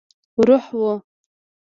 روح وو.